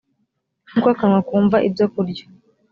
nk uko akanwa kumva ibyokurya